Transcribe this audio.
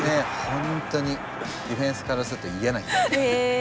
本当にディフェンスからすると嫌なんだよ。